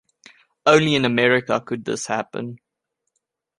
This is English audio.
Only in America could this happen.